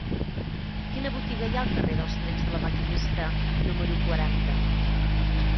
Quina botiga hi ha al carrer dels Trens de La Maquinista número quaranta?